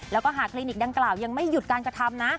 แล้วก็หากคลินิกดังกล่าวยังไม่หยุดการกระทำนะ